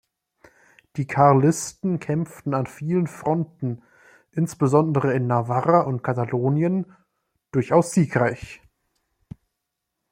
Die Karlisten kämpften an vielen Fronten, insbesondere in Navarra und Katalonien, durchaus siegreich.